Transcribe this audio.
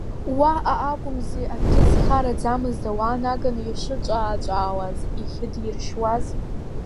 Уаҟа акәымзи акгьы зхараӡамыз ауаа наганы ишыҿаа-ҿаауаз иахьыдиршьуаз.